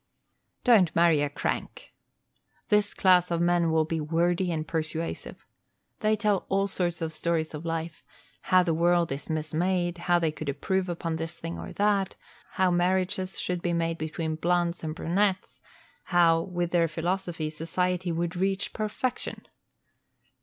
Don't marry a crank. This class of men will be wordy and persuasive. They tell all sorts of stories of life, how the world is mismade; how they could improve upon this thing or that; how marriages should be made between blondes and brunettes; how, with their philosophy, society would reach perfection.